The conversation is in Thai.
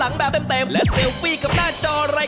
สะไอ้เป็นไงเครื่องบินเป็นไง